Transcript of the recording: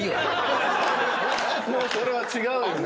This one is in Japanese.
・もうそれは違うよね。